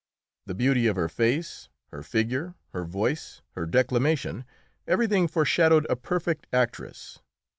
The beauty of her face, her figure, her voice, her declamation everything foreshadowed a perfect actress.